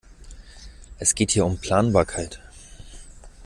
Es geht hier um Planbarkeit.